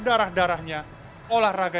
di kelas delapan belas saya berumuah